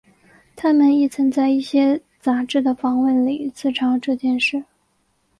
他们亦曾在一些杂志的访问里自嘲这件事。